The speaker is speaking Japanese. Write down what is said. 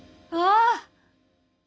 ああ！